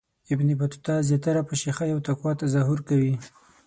ابن بطوطه زیاتره په شیخی او تقوا تظاهر کوي.